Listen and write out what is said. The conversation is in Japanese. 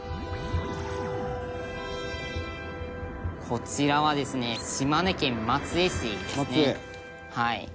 「こちらはですね島根県松江市ですね」